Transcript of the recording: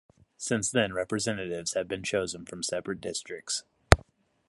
Since then, Representatives have been chosen from separate districts.